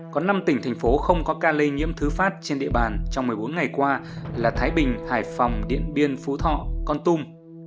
có năm tỉnh thành phố không có ca lây nhiễm thứ phát trên địa bàn trong một mươi bốn ngày qua là thái bình hải phòng điện biên phú thọ con tum